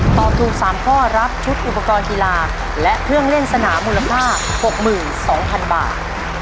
ตอบถูก๓ข้อรับชุดอุปกรณ์กีฬาและเครื่องเล่นสนามมูลค่า๖๒๐๐๐บาท